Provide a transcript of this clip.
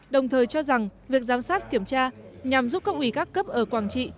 đồng thời cho rằng việc giám sát kiểm tra nhằm giúp các ủy các cấp ở quảng trị